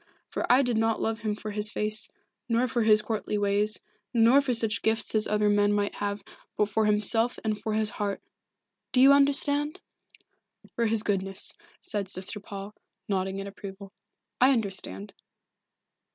For I did not love him for his face, nor for his courtly ways, nor for such gifts as other men might have, but for himself and for his heart do you understand?" "For his goodness," said Sister Paul, nodding in approval. "I understand."